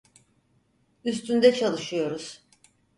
Üstünde çalışıyoruz.